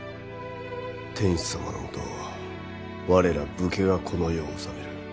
天子様のもと我ら武家がこの世を治める。